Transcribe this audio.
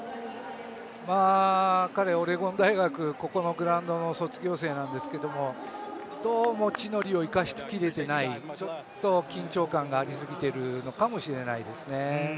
彼、オレゴン大学、ここのグラウンドの卒業生なんですけどどうも地の利を生かし切れていないちょっと緊張感がありすぎているのかもしれないですね。